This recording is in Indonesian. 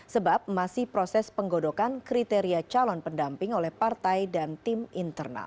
sebab masih proses penggodokan kriteria calon pendamping oleh partai dan tim internal